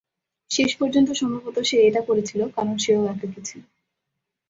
শেষ পর্যন্ত সম্ভবত সে এটা করেছিল কারণ সেও একাকী ছিল।